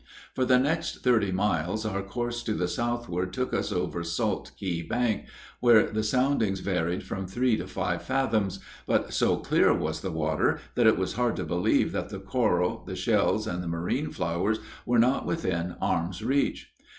For the next thirty miles our course to the southward took us over Salt Key Bank, where the soundings varied from three to five fathoms, but so clear was the water that it was hard to believe that the coral, the shells, and the marine flowers were not within arm's reach.